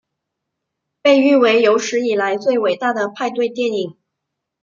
被誉为有史以来最伟大的派对电影。